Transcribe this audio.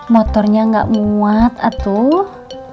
motornya enggak muat atuh